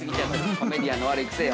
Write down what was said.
コメディアンの悪い癖よ。